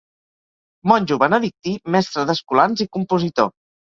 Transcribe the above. Monjo benedictí, mestre d'escolans i compositor.